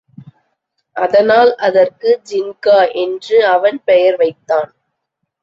அதனால் அதற்கு ஜின்கா என்று அவன் பெயர் வைத்தான்.